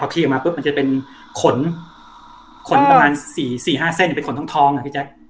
พอขี้ออกมาปุ๊บมันจะเป็นขนขนประมาณสี่สี่ห้าเส้นเป็นขนทองทองอ่ะพี่แจ็ค